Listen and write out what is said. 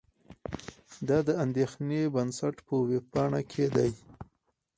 دا د اندېښې بنسټ په وېبپاڼه کې دي.